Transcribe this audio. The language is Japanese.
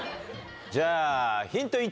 じゃあ、ヒント１。